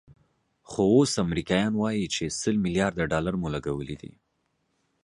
خو اوس امریکایان وایي چې سل ملیارده ډالر مو لګولي دي.